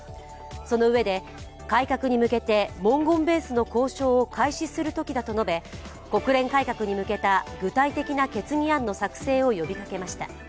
そのうえで、改革に向けて文言ベースの交渉を開始するときだと述べ、国連改革に向けた具体的な決議案の作成を呼びかけました。